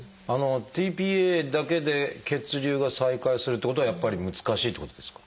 ｔ−ＰＡだけで血流が再開するっていうことはやっぱり難しいっていうことですか？